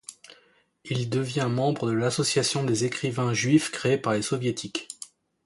Il devient membre de l'Association des écrivains juifs créée par les soviétiques.